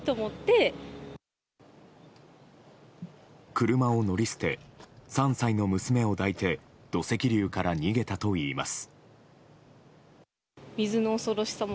車を乗り捨て３歳の娘を抱いて土石流から逃げたといいます。